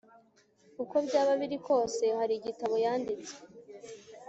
uko byaba biri kose, hari igitabo yanditswe